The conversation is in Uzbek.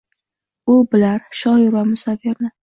U bilar: shoir va musavvirni